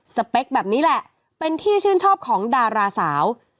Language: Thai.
เป๊กแบบนี้แหละเป็นที่ชื่นชอบของดาราสาว